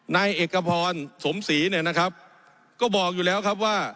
นายเอกพรสมศรีเนี่ยนะครับก็บอกอยู่แล้วครับว่า